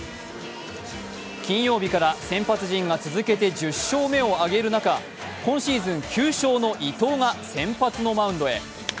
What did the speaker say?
金曜日から先発陣が続けて１０勝目を挙げる中、今シーズン９勝の伊藤が先発のマウンドへ。